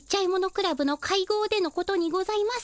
クラブの会合でのことにございます。